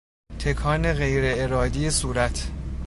تکان غیر ارادی صورت